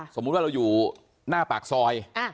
สมมุติว่าเราอยู่หน้าปากซอย